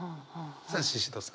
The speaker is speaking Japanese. さあシシドさん。